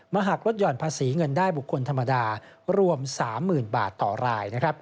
หากลดหย่อนภาษีเงินได้บุคคลธรรมดารวม๓๐๐๐บาทต่อราย